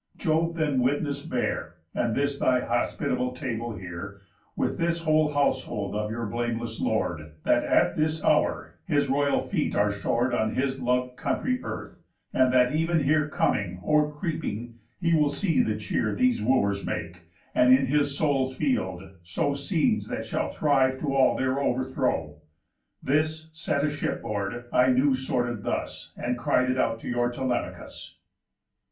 Jove then witness bear, And this thy hospitable table here, With this whole household of your blameless lord, That at this hour his royal feet are shor'd On his lov'd country earth, and that ev'n here Coming, or creeping, he will see the cheer These Wooers make, and in his soul's field sow Seeds that shall thrive to all their overthrow. This, set a ship board, I knew sorted thus, And cried it out to your Telemachus."